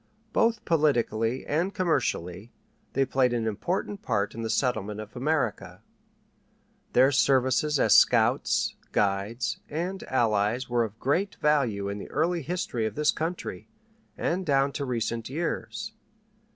Both politically and commercially, they played an important part in the settlement of America. Their services as scouts, guides, and allies were of great value in the early history of this country, and down to recent years.